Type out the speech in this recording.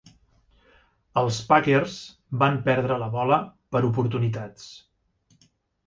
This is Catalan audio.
Els Packers van perdre la bola per oportunitats.